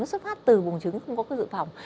nó xuất phát từ bùng trứng không có cái dự phòng